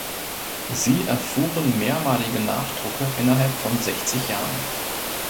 Sie erfuhren mehrmalige Nachdrucke innerhalb von sechzig Jahren.